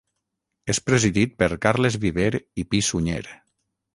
És presidit per Carles Viver i Pi-Sunyer.